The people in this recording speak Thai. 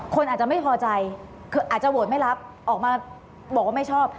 คนอาจจะไม่พอใจคืออาจจะโหวตไม่รับออกมาบอกว่าไม่ชอบ